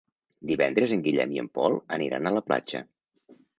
Divendres en Guillem i en Pol aniran a la platja.